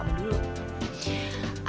aku pengen warnanya itu ungu